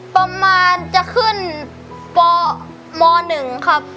ประมาณจะขึ้นปม๑ครับ